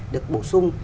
được bổ sung